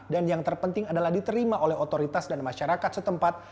dan yang terpenting adalah diterima oleh otoritas dan masyarakat setempat